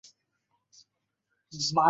মানে, একদম বন্ধ।